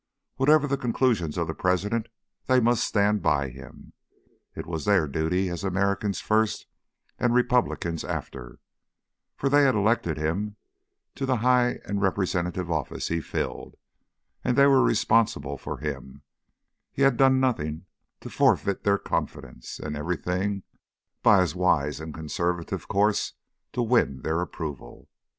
Whatever the conclusions of the President, they must stand by him. It was their duty as Americans first and Republicans after; for they had elected him to the high and representative office he filled, they were responsible for him, he had done nothing to forfeit their confidence, and everything, by his wise and conservative course, to win their approval.